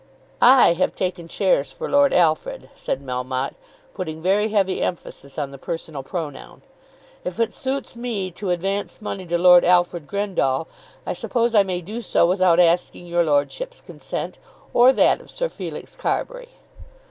"I have taken shares for Lord Alfred," said Melmotte, putting very heavy emphasis on the personal pronoun. "If it suits me to advance money to Lord Alfred Grendall, I suppose I may do so without asking your lordship's consent, or that of Sir Felix Carbury."